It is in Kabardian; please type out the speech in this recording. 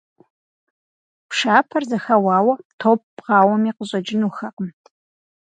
Пшапэр зэхэуауэ, топ бгъауэми, къыщӀэкӀынухэкъым.